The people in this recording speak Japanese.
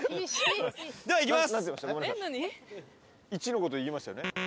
１のことを言いましたよね？